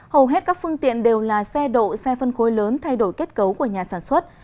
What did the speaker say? hầu hết các phương tiện đều là xe độ xe phân khối lớn thay đổi kết cấu của nhà sản xuất